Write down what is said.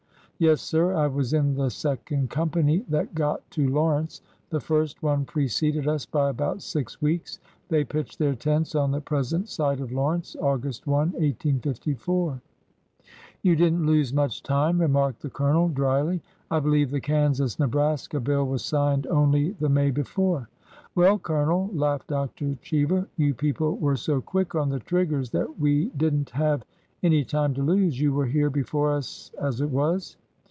Yes, sir ; I was in the second company that got to Lawrence. The first one preceded us by about six weeks. They pitched their tents on the present site of Lawrence, August I, 1854." "You did n't lose much time," remarked the Colonel, dryly. " I believe the Kansas Nebraska bill was signed only the May before." " Well, Colonel," laughed Dr. Cheever, " you people were so quick on the triggers that we did n't have any time to lose. You were here before us, as it was."